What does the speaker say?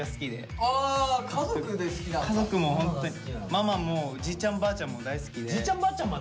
ママもじいちゃんばあちゃんも大好きで。